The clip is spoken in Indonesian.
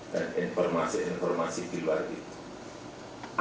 dan informasi informasi di luar itu